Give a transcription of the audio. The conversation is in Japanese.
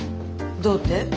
どうって？